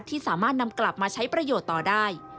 ที่สามารถนำกลับมาใช้ประโยชน์ต่อได้